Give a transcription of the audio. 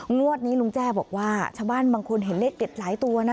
งวดนี้ลุงแจ้บอกว่าชาวบ้านบางคนเห็นเลขเด็ดหลายตัวนะ